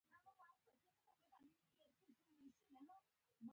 په دوو لارو دنیوي وسوسې راکمې کړو.